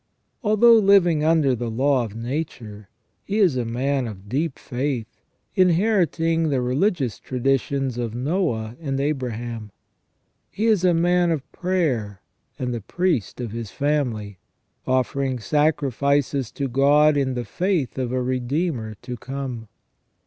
Although living under the law of nature, he is a man of deep faith, inherit ing the religious traditions of Noe and Abraham. He is a man of prayer, and the priest of his family, offering sacrifices to God in the faith of a Redeemer to come.